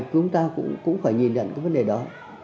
chúng ta cũng phải nhìn nhận cái vấn đề đó